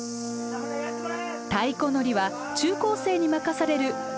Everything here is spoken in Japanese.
太鼓乗りは中高生に任される重要な役目。